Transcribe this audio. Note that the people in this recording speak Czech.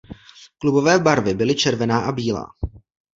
Klubové barvy byly červená a bílá.